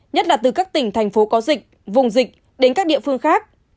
nhất là từ các tỉnh thành phố có dịch vùng dịch đến các địa phương khác